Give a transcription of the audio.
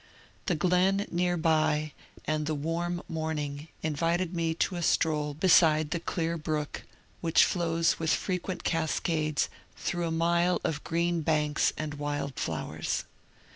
The glen near by and the warm morning in vited me to a stroll beside the clear brook, which flows with frequent cascades through a mile of green banks and wild flowers.